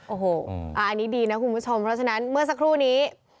โอ้โหอันนี้ดีนะคุณผู้ชมเพราะฉะนั้นเมื่อสักครู่นี้